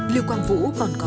lưu quang vũ còn có